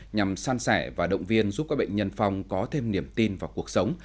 nhằm san sẻ và động viên giúp các bệnh nhân phong có thêm niềm tin vào cuộc sống